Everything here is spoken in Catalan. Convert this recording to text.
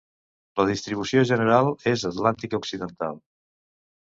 La distribució general és atlàntica occidental.